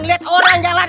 lihat orang jalan